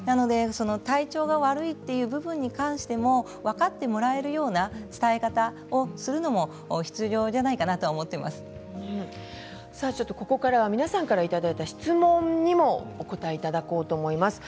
体調が悪いという部分に関しても分かってもらえるような伝え方をするのもここからは皆さんからいただいた質問にもお答えいただこうと思います。